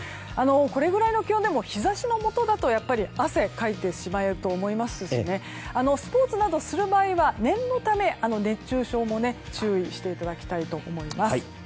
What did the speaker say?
これぐらいの気温でも日差しのもとだと汗かいてしまうと思いますしスポーツなどする場合は念のため熱中症も注意していただきたいと思います。